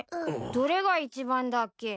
どれが１番だっけ？